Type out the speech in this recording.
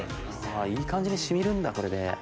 いい感じに染みるんだこれで。